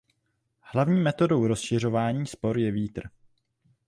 Hlavní metodou rozšiřování spor je vítr.